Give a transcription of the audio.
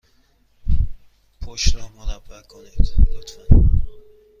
پشت را مربع کنید، لطفا.